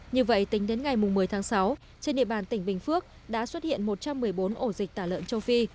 như vậy tính đến ngày một mươi tháng sáu trên địa bàn tỉnh bình phước đã xuất hiện một trăm một mươi bốn ổ dịch tả lợn châu phi